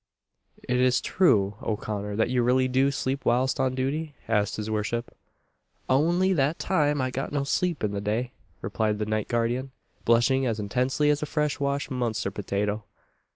"Is it true, O'Connor, that you really do sleep whilst on duty?" asked his worship. "Ounly that time I got no sleep in the day," replied the night guardian, blushing as intensely as a fresh washed Munster potato.